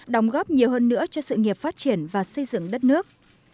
đóng góp nhiều hơn nữa cho sự nghiệp phát triển và xây dựng đất nước